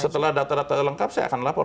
setelah data data lengkap saya akan lapor